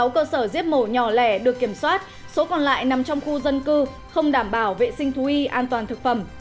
một mươi cơ sở giết mổ nhỏ lẻ được kiểm soát số còn lại nằm trong khu dân cư không đảm bảo vệ sinh thú y an toàn thực phẩm